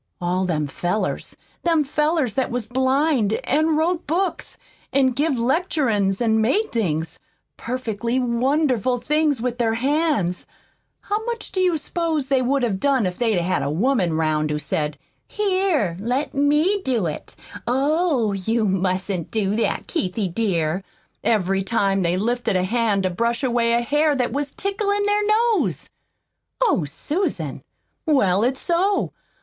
All them fellers them fellers that was blind an' wrote books an' give lecturin's an' made things perfectly wonderful things with their hands how much do you s'pose they would have done if they'd had a woman 'round who said, 'Here, let me do it; oh, you mustn't do that, Keithie, dear!' every time they lifted a hand to brush away a hair that was ticklin' their nose?" "Oh, Susan!" "Well, it's so.